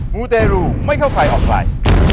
มูเตรูไม่เข้าใครออกใคร